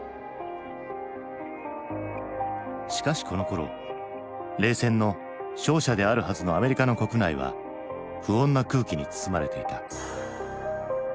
しかしこのころ冷戦の勝者であるはずのアメリカの国内は不穏な空気に包まれていた。